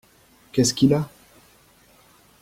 Qu’est-ce qu’il a ?